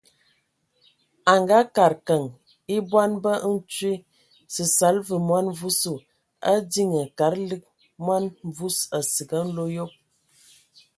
A ngaakəd keŋ e bɔn ba ntwi, səsala və mɔn mvua, a diŋiŋ kad lig mɔn mvua asig a nlo ayob.